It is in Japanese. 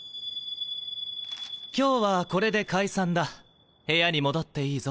今日はこれで解散だ部屋に戻っていいぞ。